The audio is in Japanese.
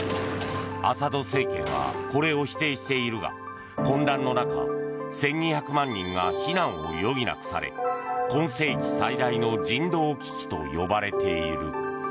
アサド政権はこれを否定しているが混乱の中、１２００万人が避難を余儀なくされ今世紀最大の人道危機と呼ばれている。